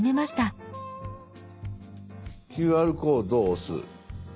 「ＱＲコード」を押す。